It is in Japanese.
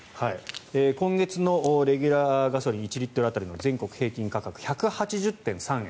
今月のレギュラーガソリン１リットル当たりの全国平均価格１８０．３円。